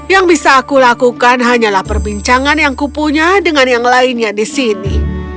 yang bisa aku lakukan hanyalah perbincangan yang kupunya dengan yang lainnya di sini